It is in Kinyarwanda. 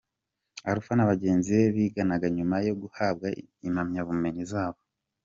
Alpha na bagenzi be biganaga nyuma yo guhabwa imyabumenyi zabo.